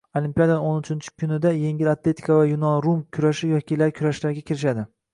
Olimpiadaning o‘ninchi kunida yengil atletika va yunon-rum kurashi vakillari kurashlarga kirishadi